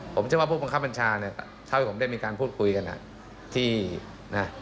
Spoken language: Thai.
ผมเชื่อว่าผู้บังคับบัญชาเนี่ยเท่าที่ผมได้มีการพูดคุยกันอ่ะที่นะ